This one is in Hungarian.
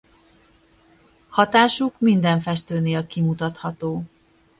Hatásuk minden festőnél kimutatható.